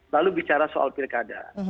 lalu bicara soal pilkada